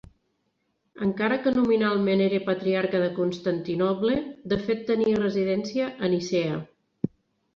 Encara que nominalment era patriarca de Constantinoble, de fet tenia residència a Nicea.